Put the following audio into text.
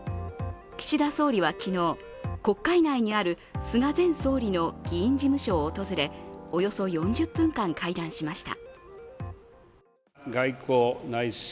岸田総理は昨日、国会内にある菅前総理の議員事務所を訪れおよそ４０分間、会談しました。